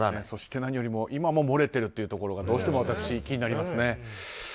そして何よりも今も漏れているというところがどうしても気になりますね。